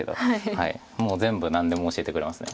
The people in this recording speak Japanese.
もう全部何でも教えてくれます。